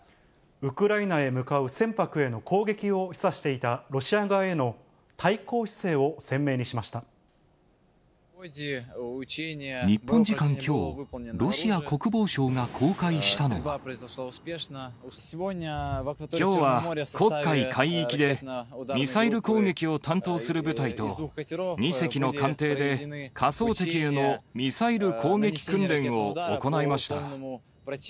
ウクライナへ向かう船舶への攻撃を示唆していたロシア側への日本時間きょう、きょうは黒海海域で、ミサイル攻撃を担当する部隊と、２隻の艦艇で、仮想敵へのミサイル攻撃訓練を行いました。